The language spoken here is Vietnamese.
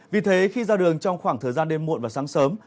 vì thế khi ra đường trong khoảng thời gian đêm muộn và sáng sớm